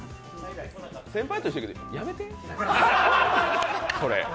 先輩として言うけど、やめてそれ。